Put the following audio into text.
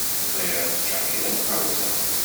Bɣiɣ ad ččeɣ kra n tɣawsa.